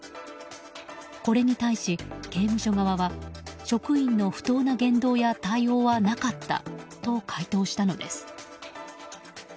これに対し、刑務所側は職員の不当な言動や対応はなかったと回答したのです。